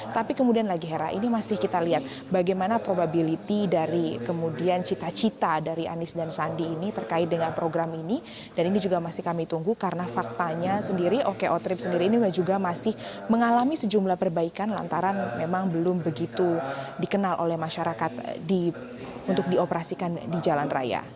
tapi kemudian lagi hera ini masih kita lihat bagaimana probability dari kemudian cita cita dari anis dan sandi ini terkait dengan program ini dan ini juga masih kami tunggu karena faktanya sendiri oko trip sendiri ini juga masih mengalami sejumlah perbaikan lantaran memang belum begitu dikenal oleh masyarakat untuk dioperasikan di jalan raya